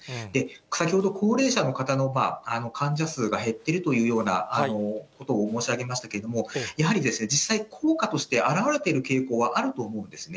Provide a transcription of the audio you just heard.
先ほど高齢者の方の患者数が減ってるというようなことを申し上げましたけれども、やはり実際、効果として表れている傾向はあると思うんですね。